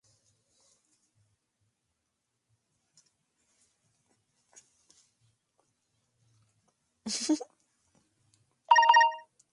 Este coche es considerado uno de los más bonitos de la historia del automóvil.